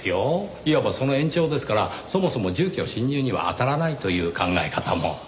いわばその延長ですからそもそも住居侵入にはあたらないという考え方も。